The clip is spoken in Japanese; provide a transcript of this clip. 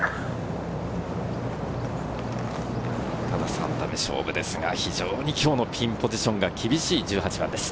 ３打目勝負ですが、今日のピンポジションが厳しい１８番です。